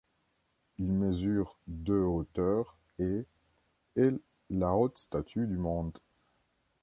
Il mesure de hauteur et est la haute statue du monde.